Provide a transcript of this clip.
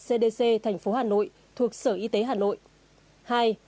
cdc tp hà nội thuộc sở y tế hà nội